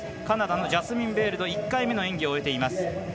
カナダのジャスミン・ベイルドが１回目の演技を終えています。